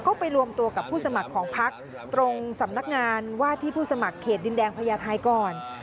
ก็ไปรวมตัวกับผู้สมัครของพักตรงสำนักงานว่าที่ผู้สมัครเขตดินแดงพญาไทยก่อน